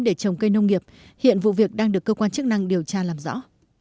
để trồng cây nông nghiệp hiện vụ việc đang được cơ quan chức năng điều tra làm rõ